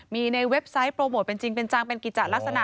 มีในเว็บไซต์โปรโมทเป็นจริงเป็นจังเป็นกิจลักษณะ